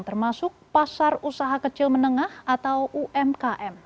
termasuk pasar usaha kecil menengah atau umkm